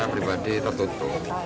ya pribadi tertutup